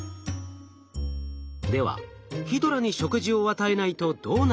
ではヒドラに食事を与えないとどうなるのか？